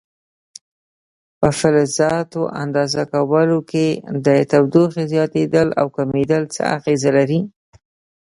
په فلزاتو اندازه کولو کې د تودوخې زیاتېدل او کمېدل څه اغېزه لري؟